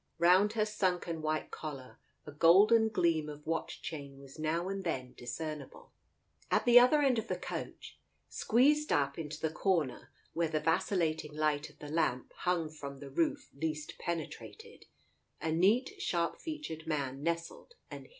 Round her sunken white collar, a golden gleam of watch chain was now and then discernible. At the other end of the coach, squeezed up into the corner where the vacillating light of the lamp hung from the roof least penetrated, a neat, sharp featured man nestled and hid.